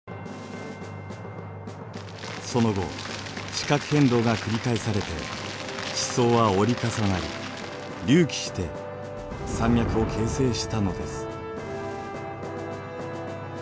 その後地殻変動が繰り返されて地層は折り重なり隆起して山脈を形成したのです。